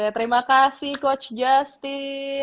terima kasih coach justin